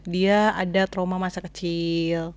dia ada trauma masa kecil